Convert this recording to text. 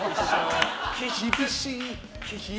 厳しい。